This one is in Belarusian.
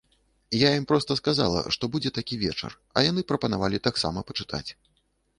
Я ім проста сказала, што будзе такі вечар, а яны прапанавалі таксама пачытаць.